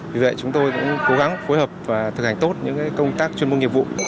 vì vậy chúng tôi cũng cố gắng phối hợp và thực hành tốt những công tác chuyên môn nghiệp vụ